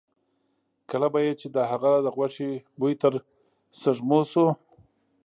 کله به یې چې د هغه د غوښې بوی تر سپېږمو شو.